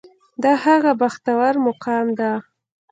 دا هغه بختور مقام دی.